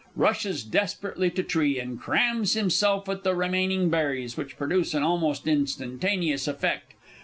[_Rushes desperately to tree and crams himself with the remaining berries, which produce an almost instantaneous effect.